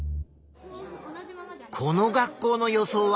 この学校の予想は？